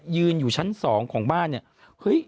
ยืนอยู่ชั้น๒ของบ้านนี้